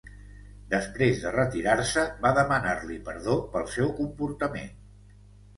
Després de retirar-se, va demanar-li perdó pel seu comportament.